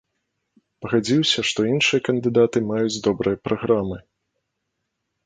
Пагадзіўся, што іншыя кандыдаты маюць добрыя праграмы.